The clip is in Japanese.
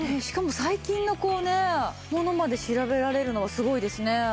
しかも最近のものまで調べられるのはすごいですね。